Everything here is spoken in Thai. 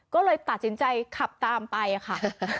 ก็เลยตัดสินใจขับตามไปค่ะ